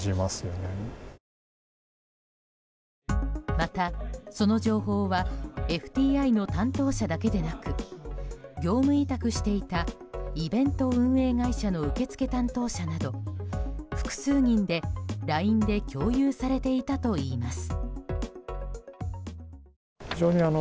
また、その情報はＦＴＩの担当者だけでなく業務委託していたイベント運営会社の受付担当者など複数人で、ＬＩＮＥで共有されていたといいます。